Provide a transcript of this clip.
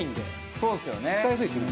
そうですよね。